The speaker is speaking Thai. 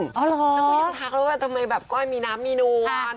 แล้วก็ยังทักแล้วว่าทำไมแบบก้อยมีน้ำมีนวล